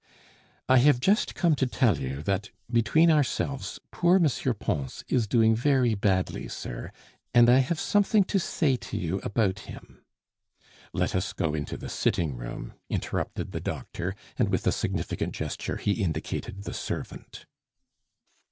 "I have just come to tell you, that, between ourselves, poor M. Pons is doing very badly, sir, and I have something to say to you about him " "Let us go into the sitting room," interrupted the doctor, and with a significant gesture he indicated the servant.